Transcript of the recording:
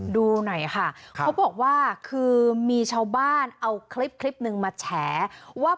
ดูหน่อยค่ะเขาบอกว่าคือมีชาวบ้านเอาคลิปหนึ่งมาแฉว่า